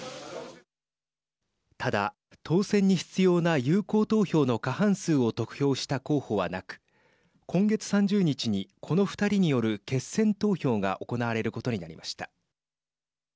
ただ、当選に必要な有効投票の過半数を得票した候補はなく今月３０日にこの２人による決選投票が行われることになりました。